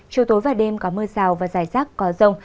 chiều tối và đêm có mưa rào và rải rác có rông